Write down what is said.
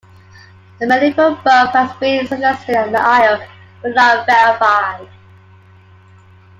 A medieval burgh has been suggested on the isle, but not verified.